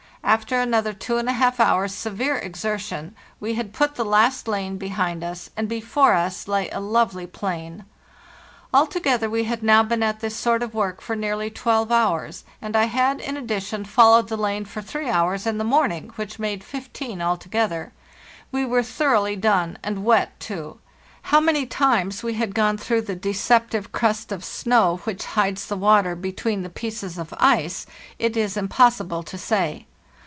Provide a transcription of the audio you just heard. After another two and a half hours' severe exertion we had put the last lane behind us, and before us lay a lovely plain. Altogether we had now been at this sort of work for nearly twelve hours, and I had, in addition, followed the lane for three hours in the morning, which made fifteen altogether. We were thoroughly done, and wet too. How many times we had gone through the deceptive crust of snow which hides the water between the pieces of ice it is impossible to say.